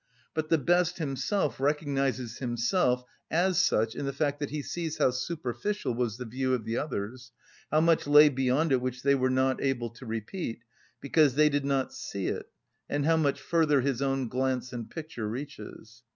But the best himself recognises himself as such in the fact that he sees how superficial was the view of the others, how much lay beyond it which they were not able to repeat, because they did not see it, and how much further his own glance and picture reaches.